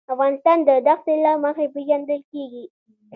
افغانستان د دښتې له مخې پېژندل کېږي.